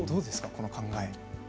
この考えは。